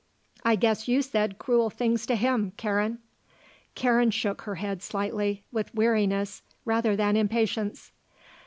"I guess you said cruel things to him, Karen." Karen shook her head slightly, with weariness rather than impatience.